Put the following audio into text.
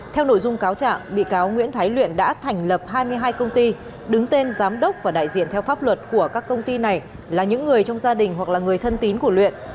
theo nội dung cáo trạng bị cáo nguyễn thái luyện đã thành lập hai mươi hai công ty đứng tên giám đốc và đại diện theo pháp luật của các công ty này là những người trong gia đình hoặc là người thân tín của luyện